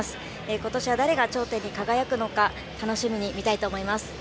今年は誰が頂点に輝くのか楽しみに見たいと思います。